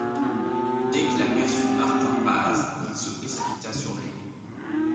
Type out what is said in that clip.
Dès qu’il aperçut Martin Paz, il se précipita sur lui.